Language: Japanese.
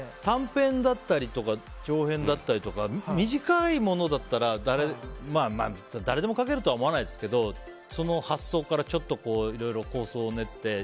短編だったりとか長編だったりとか短いものだったら誰でも書けるとは思わないですけどその発想から、ちょっといろいろ構想を練って。